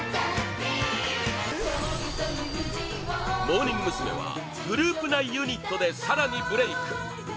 モーニング娘。はグループ内ユニットで更にブレーク！